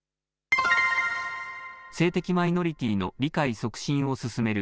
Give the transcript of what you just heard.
性的マイノリティーの理解促進を進める